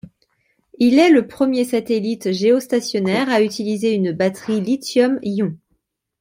Il est le premier satellite géostationnaire à utiliser une batterie lithium-ion.